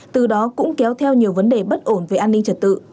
từ đó cũng kéo theo nhiều vấn đề bất ổn về an ninh trật tự